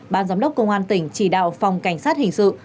ban giám đốc công an tỉnh chỉ đạo phòng cảnh sát hình sự